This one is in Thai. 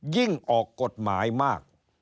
ออกกฎหมายมาก